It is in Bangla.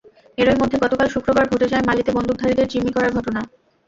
এরই মধ্যে গতকাল শুক্রবার ঘটে যায় মালিতে বন্দুকধারীদের জিম্মি করার ঘটনা।